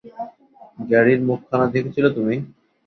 গ্যারির মুখখানা দেখেছিলে তুমি?